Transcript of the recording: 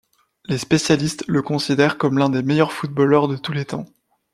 Les spécialistes le considèrent comme l'un des meilleurs footballeurs de tous les temps.